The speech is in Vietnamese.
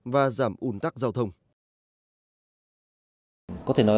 và giảm ủng hộ